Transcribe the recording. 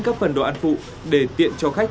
các phần đồ ăn phụ để tiện cho khách